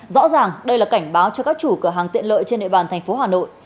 rõ ràng đây là cảnh báo cho các chủ cửa hàng tiện lợi trên địa bàn thành phố hà nội